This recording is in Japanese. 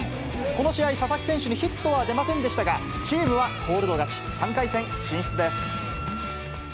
この試合、佐々木選手にヒットは出ませんでしたが、チームはコールド勝ち、３回戦進出です。